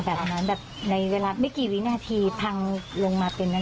แบบนั้นแบบในเวลาไม่กี่วินาทีพังลงมาเป็นนาที